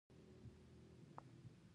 په دې مرکب کې اشتراکي اړیکه شته ده.